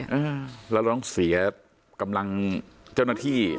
แล้วเราต้องเสียกำลังเจ้าหน้าที่